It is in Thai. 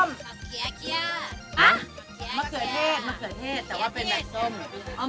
มะเขือเทศแต่ว่าเป็นแบบส้ม